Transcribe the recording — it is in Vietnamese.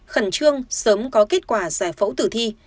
khẩn trương sớm có kết quả giải phẫu tử thi